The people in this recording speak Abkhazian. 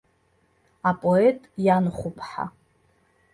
Апоет ианхәыԥҳа.